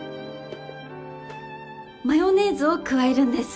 マヨネーズを加えるんです。